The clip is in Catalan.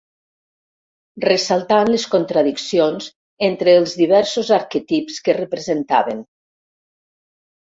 Ressaltant les contradiccions entre els diversos arquetips que representaven.